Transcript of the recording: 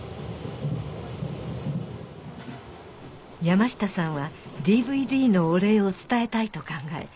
山下さんはＤＶＤのお礼を伝えたいと考え